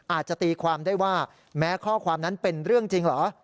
อาจจะตีความได้ว่าแม้ข้อความนั้นเป็นเรื่องจริงเหรอ